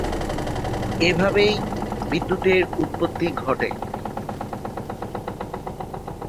এভাবেই বিদ্যুতের উৎপত্তি ঘটে।